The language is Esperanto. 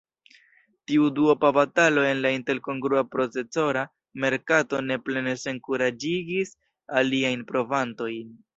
Tiu duopa batalo en la Intel-kongrua procesora merkato ne plene senkuraĝigis aliajn provantojn.